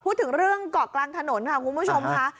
พูดถึงเรื่องเกาะกลางถนนค่ะคุณผู้ชมค่ะ